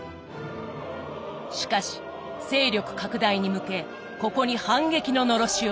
しかし勢力拡大に向けここに反撃ののろしを上げた。